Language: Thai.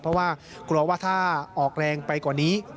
เพราะว่ากลัวว่าถ้าออกแรงไปกว่านี้